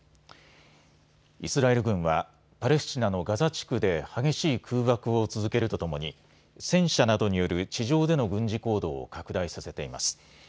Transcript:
イスラエル軍はパレスチナのガザ地区で激しい空爆を続けるとともに戦車などによる地上での軍事行動を拡大させています。